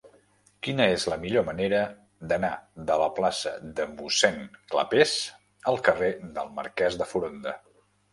Quina és la millor manera d'anar de la plaça de Mossèn Clapés al carrer del Marquès de Foronda?